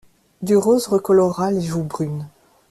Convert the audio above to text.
Du rose recolora les joues brunes.